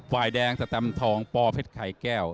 ฝ่ายแดงสแตมทองปอเพชรไข่แก้ว